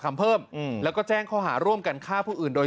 เพิ่มแล้วก็แจ้งข้อหาร่วมกันฆ่าผู้อื่นโดย